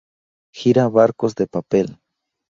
Gira Barcos de papel".